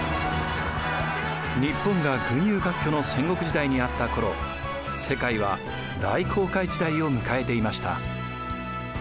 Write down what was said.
日本が「群雄割拠」の戦国時代にあった頃世界は大航海時代を迎えていました。